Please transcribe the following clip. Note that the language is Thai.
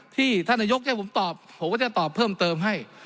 ที่ท่านนายกจะให้ผมตอบผมก็จะตอบเพิ่มเติมให้